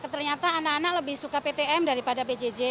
ternyata anak anak lebih suka ptm daripada pjj